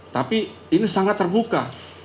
tapi ini sangat terbuka